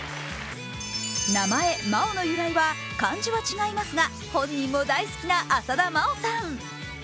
名前、麻央の由来は、漢字は違いますが、本人も大好きな浅田真央さん。